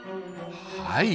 はい。